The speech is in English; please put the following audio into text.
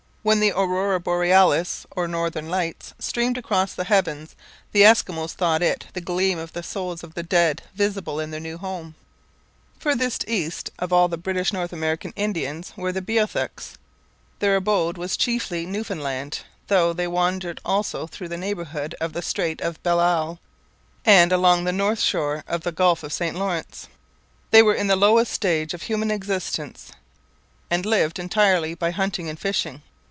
When the aurora borealis, or Northern Lights, streamed across the heavens, the Eskimos thought it the gleam of the souls of the dead visible in their new home. Farthest east of all the British North American Indians were the Beothuks. Their abode was chiefly Newfoundland, though they wandered also in the neighbourhood of the Strait of Belle Isle and along the north shore of the Gulf of St Lawrence. They were in the lowest stage of human existence and lived entirely by hunting and fishing.